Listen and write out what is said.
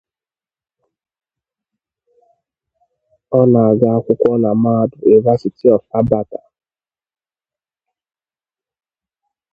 Ọ na-aga akwụkwọ na mahadum University of Alberta.